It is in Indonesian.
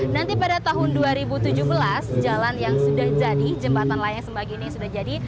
nanti pada tahun dua ribu tujuh belas jalan yang sudah jadi jembatan layang sembagi ini sudah jadi